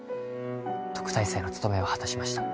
特待生の務めは果たしました